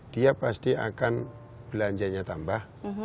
dia pasti akan belanjanya tambah